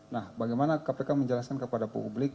nah bagaimana kpk menjelaskan kepada publik